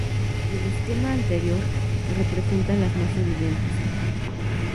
El esquema anterior representa las más evidentes.